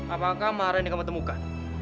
apakah maharan yang kamu temukan